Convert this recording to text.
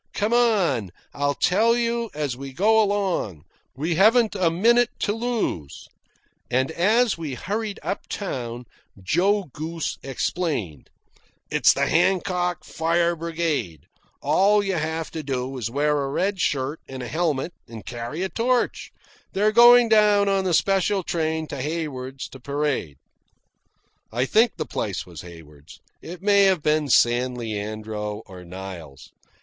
"Come on. I'll tell you as we go along. We haven't a minute to lose." And as we hurried up town, Joe Goose explained: "It's the Hancock Fire Brigade. All you have to do is wear a red shirt and a helmet, and carry a torch. "They're going down on a special train to Haywards to parade." (I think the place was Haywards. It may have been San Leandro or Niles.